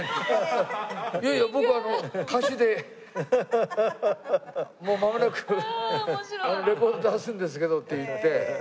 「いやいや僕は歌手でもうまもなくレコード出すんですけど」って言って。